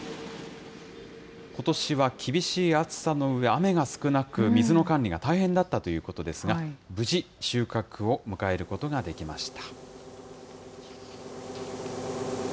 ことしは厳しい暑さのうえ、雨が少なく、水の管理が大変だったということですが、無事、収穫を迎えることができました。